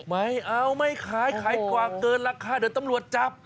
ไม่เอาไม่ขายขายกวากเกินราคาเดี๋ยวตำรวจจับ